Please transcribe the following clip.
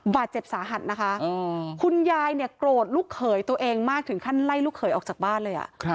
บาดเจ็บสาหัสนะคะคุณยายเนี่ยโกรธลูกเขยตัวเองมากถึงขั้นไล่ลูกเขยออกจากบ้านเลย